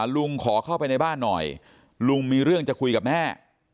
ลุงขอเข้าไปในบ้านหน่อยลุงมีเรื่องจะคุยกับแม่